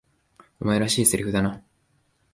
お前らしい台詞だな。